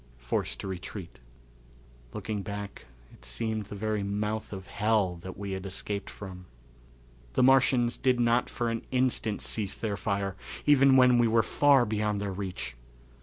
Forced to Retreat. Looking back it seemed the very mouth of hell that we had escaped from. The Martians did not for an instant cease their fire, even when we were far beyond their reach.